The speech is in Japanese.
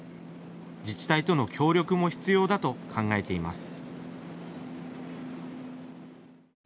自治体との協力も必要だと考えています。